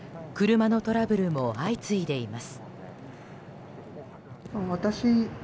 車のトラブルも相次いでいます。